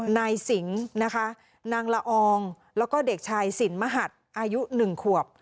นายสิงนะคะนางละอองแล้วก็เด็กชายสินมหัดอายุ๑ขวบ